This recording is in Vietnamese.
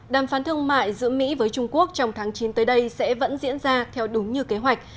đàm phán thương mại giữa mỹ với trung quốc trong tháng chín tới đây sẽ vẫn diễn ra theo đúng như kế hoạch